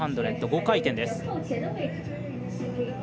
５回転です。